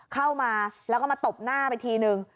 เข้ามาแล้วก็มาตบหน้าไปทีนึง